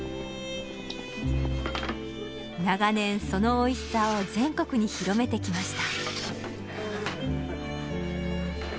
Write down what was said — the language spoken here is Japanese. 長年そのおいしさを全国に広めてきました。